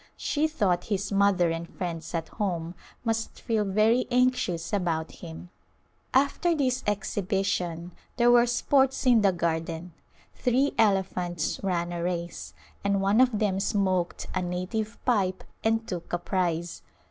She thought his mother and friends at home must feel very anxious about him. After this exhibition there were sports in the garden. Three elephants ran a race, and one of them smoked a native pipe and took a prize.